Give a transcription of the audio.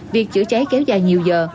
việc chữa cháy kéo dài nhiều giờ